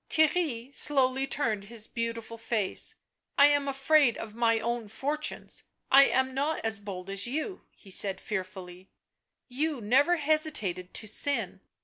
Theirry slowdy turned his beautiful face. " I am afraid of my own fortunes — I am not as bold as you," he said fearfully. " You never hesitated to sin."